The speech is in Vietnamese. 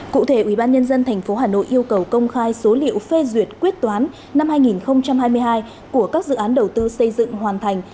cụ thể ủy ban nhân dân thành phố hà nội yêu cầu công khai số liệu phê duyệt quyết toán năm hai nghìn hai mươi hai của các dự án đầu tư xây dựng hoàn thành